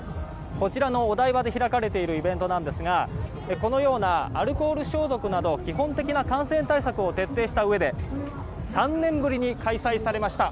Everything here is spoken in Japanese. こちらのお台場で開かれているイベントなんですがこのような、アルコール消毒など基本的な感染対策を徹底したうえで３年ぶりに開催されました